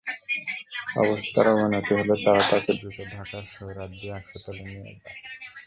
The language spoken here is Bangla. অবস্থার অবনতি হলে তাঁরা তাঁকে দ্রুত ঢাকার সোহরাওয়ার্দী হাসপাতালে নিয়ে যান।